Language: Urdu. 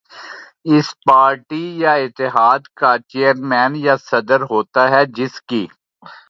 اس پارٹی یا اتحاد کا چیئرمین یا صدر ہوتا ہے جس کی